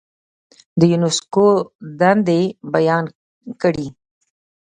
د یونسکو دندې بیان کړئ.